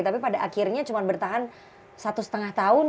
tapi pada akhirnya cuma bertahan satu setengah tahun